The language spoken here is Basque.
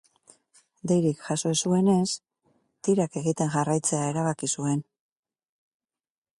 Deirik jaso ez zuenez, tirak egiten jarraitzea erabaki zuen.